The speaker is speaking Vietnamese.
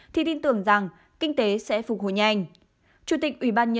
thì tin tưởng rằng kinh tế sẽ phục hồi nhanh